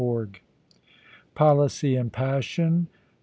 i6 POLICY AND PASSION.